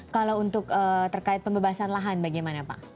kalau untuk terkait pembebasan lahan bagaimana pak